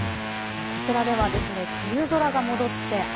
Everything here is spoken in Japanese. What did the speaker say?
こちらでは、梅雨空が戻って雨。